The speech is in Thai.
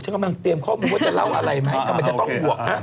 กำลังเตรียมข้อมูลว่าจะเล่าอะไรไหมทำไมจะต้องบวกฮะ